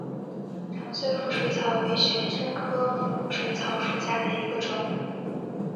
长穗腹水草为玄参科腹水草属下的一个种。